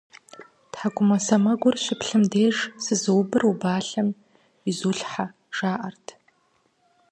ТхьэкӀумэ сэмэгур щыплъым деж «Сызыубыр убалъэм изулъхьэ», жаӀэрт.